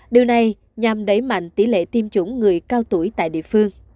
điều này nhằm đẩy mạnh tỷ lệ tiêm chủng người cao tuổi tại địa phương